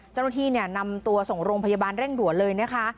เจ้าหน้าที่นำตัวส่งโรงพยาบาลเร่งด่วนเลยนะคะ